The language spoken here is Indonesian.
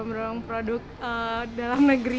membawa bawa produk dalam negeri